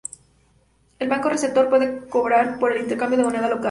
El banco receptor puede cobrar por el intercambio de moneda local.